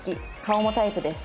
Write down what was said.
顔もタイプです」。